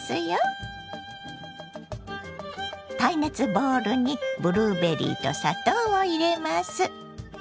耐熱ボウルにブルーベリーと砂糖を入れます。